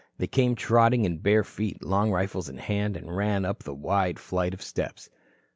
They came trotting in bare feet, long rifles in hand, and ran up the wide flight of steps.